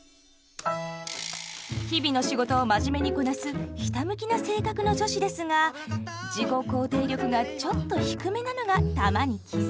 日々の仕事を真面目にこなすひたむきな性格の女子ですが自己肯定力がちょっと低めなのが玉にきず。